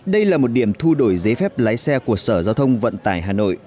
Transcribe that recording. đây là một điểm thu đổi giấy phép lái xe của sở giao thông vận tải hà nội